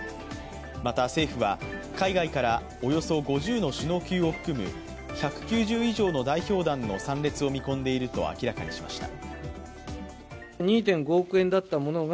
また政府は、海外からおよそ５０の首脳級を含む１９０以上の代表団の参列を見込んでいると明らかにしました。